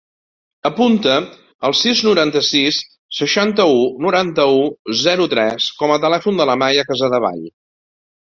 Apunta el sis, noranta-sis, seixanta-u, noranta-u, zero, tres com a telèfon de la Maya Casadevall.